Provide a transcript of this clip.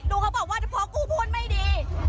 ดูเขาบอกว่าเฉพาะกูพูดไม่ดี